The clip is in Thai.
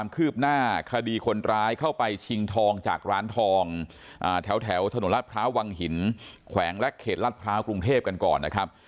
คืบหน้าคดีคนร้ายเข้าไปชิงทองจากร้านทองแถวถนนราชพร้าววังหินแขวงและเขตลาดพร้าวกรุงเทพกันก่อนนะครับ